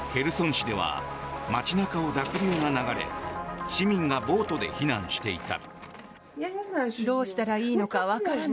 市では街中を濁流が流れ市民がボートで避難していた。